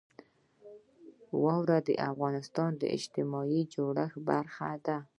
واوره د افغانستان د اجتماعي جوړښت برخه ده.